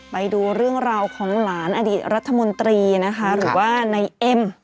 ไปดูเรื่องราวของหลานอดีตรัฐมนตรีนะคะหรือว่าในเอ็ม